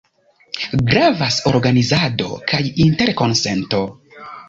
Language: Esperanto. Gravas organizado kaj interkonsento.